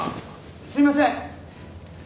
すいません！